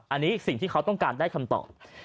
อันนี้สิ่งที่เขาต้องการได้คำตอบ